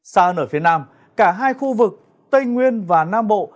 xa hơn ở phía nam cả hai khu vực tây nguyên và nam bộ